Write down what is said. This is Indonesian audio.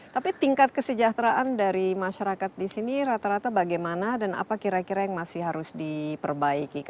tapi tingkat kesejahteraan dari masyarakat di sini rata rata bagaimana dan apa kira kira yang masih harus diperbaiki